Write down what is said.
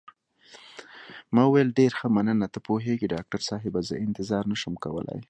ما وویل: ډېر ښه، مننه، ته پوهېږې ډاکټر صاحبه، زه انتظار نه شم کولای.